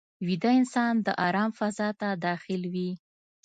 ویده انسان د آرام فضا ته داخل وي